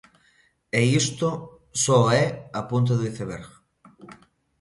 E isto só é a punta do iceberg.